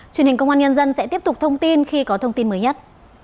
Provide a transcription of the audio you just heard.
truyền hình công an nhân dân sẽ tiếp tục thông tin khi có thông tin mới nhất